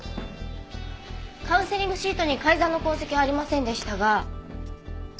カウンセリングシートに改ざんの痕跡はありませんでしたが。